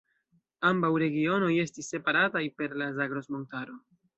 Ambaŭ regionoj estis separataj per la Zagros-montaro.